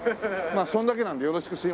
まあそんだけなんでよろしく。